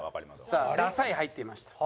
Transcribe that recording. さあ「ダサい」入っていました。